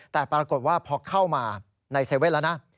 แต่ปรากฏว่าพอเข้ามาใน๗๑๑แล้วนะ